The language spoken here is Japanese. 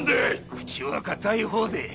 口は堅い方で。